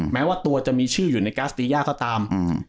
แม้ว่าตัวจะมีชื่ออยู่ในก๊าสตีย่าก็ตาม